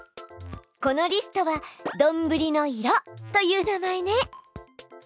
このリストは「どんぶりの色」という名前ね。